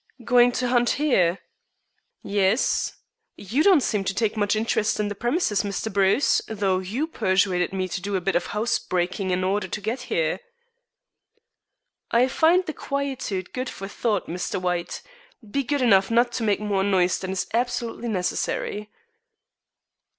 "Going to hunt here?" "Yes. You don't seem to take much interest in the premises, Mr. Bruce, though you persuaded me to do a bit of house breaking in order to get here." "I find the quietude good for thought, Mr. White. Be good enough not to make more noise than is absolutely necessary."